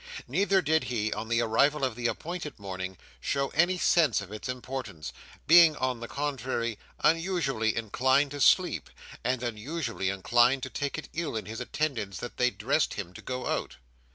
Neither did he, on the arrival of the appointed morning, show any sense of its importance; being, on the contrary, unusually inclined to sleep, and unusually inclined to take it ill in his attendants that they dressed him to go out.